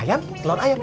ayam telur ayam